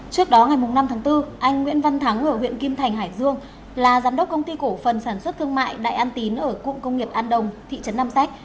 trước đó ngày năm tháng bốn anh nguyễn văn thắng ở huyện kim thành hải dương là giám đốc công ty cổ phần sản xuất thương mại đại an tín ở cụng công nghiệp an đồng thị trấn nam sách